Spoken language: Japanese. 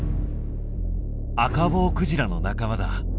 アカボウクジラの仲間だ。